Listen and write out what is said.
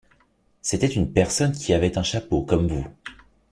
C’était une personne qui avait un chapeau comme vous.